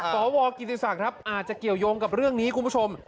สวกิติศักดิ์ครับอาจจะเกี่ยวยงกับเรื่องนี้คุณผู้ชม